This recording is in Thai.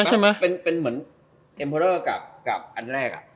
ใช่มั้ยเป็นเหมือนเทมโปรเวอร์กับอันแรกอะ